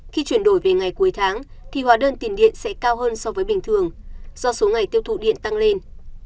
khi chuyển đổi về ngày cuối tháng thì hóa đơn tiền điện sẽ cao hơn so với bình thường do số ngày tiêu thụ điện tăng lên